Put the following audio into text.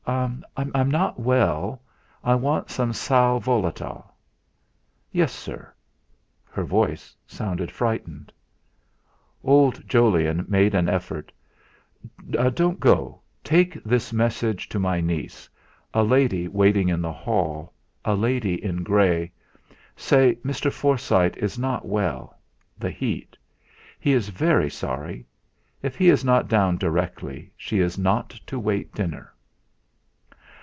"I'm not well, I want some sal volatile." "Yes, sir." Her voice sounded frightened. Old Jolyon made an effort. "Don't go. Take this message to my niece a lady waiting in the hall a lady in grey. Say Mr. Forsyte is not well the heat. He is very sorry; if he is not down directly, she is not to wait dinner."